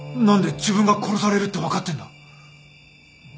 何で自分が殺されるって分かってんだ。